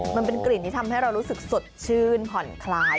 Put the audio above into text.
มันเป็นกลิ่นที่ทำให้เรารู้สึกสดชื่นผ่อนคลาย